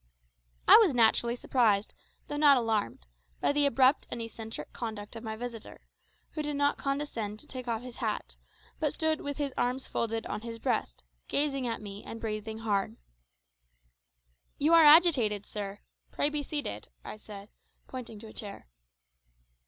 I was naturally surprised, though not alarmed, by the abrupt and eccentric conduct of my visitor, who did not condescend to take off his hat, but stood with his arms folded on his breast, gazing at me and breathing hard. "You are agitated, sir; pray be seated," said I, pointing to a chair.